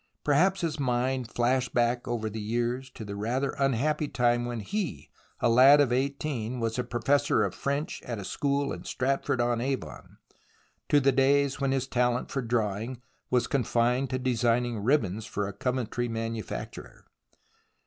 Perhaps his mind flashed back over the years to the rather unhappy time when he, a lad of eighteen, was professor of French at a school in Stratford on Avon, to the days when his talent for drawing was confined to designing ribbons for a Coventry manu facturer.